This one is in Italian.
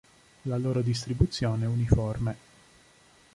La loro distribuzione è uniforme.